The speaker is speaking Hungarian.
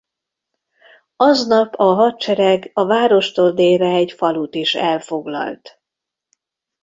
Aznap a Hadsereg a várostól délre egy falut is elfoglalt.